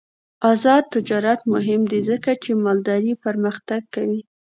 آزاد تجارت مهم دی ځکه چې مالداري پرمختګ کوي.